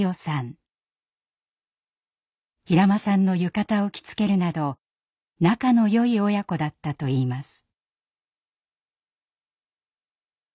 平間さんの浴衣を着付けるなど仲のよい親子だったといいます。